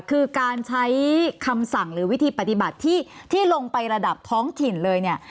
คือการใช้คำสั่งหรือวิธีปฏิบัติที่ลงไประดับท้องถิ่นเลยเนี่ย